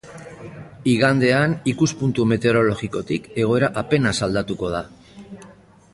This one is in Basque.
Igandean, ikuspuntu meteorologikotik egoera apenas aldatuko da.